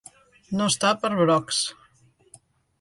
No estar per brocs.